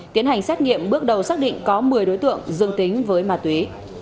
tiến hành xét nghiệm bước đầu xác định có một mươi đối tượng dương tính với ma túy